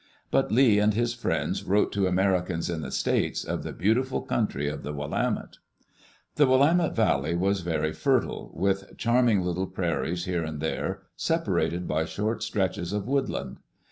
But Lee and his friends wrote to Ameri cans in "the States" of the beautiful country of the Willamette. The Willamette Valley was very fertile, with charming little prairies here and there, separated by short stretches of woodland.